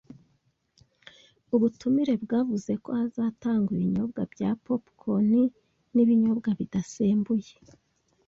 Ubutumire bwavuze ko hazatangwa ibinyobwa bya popcorn n'ibinyobwa bidasembuye.